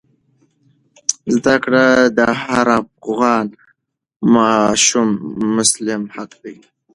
زده کړه د هر افغان ماشوم مسلم حق دی.